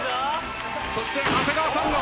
そして長谷川さんが。